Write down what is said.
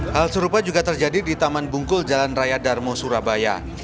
hal serupa juga terjadi di taman bungkul jalan raya darmo surabaya